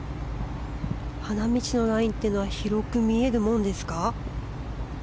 花道のラインは広く見えるものですか？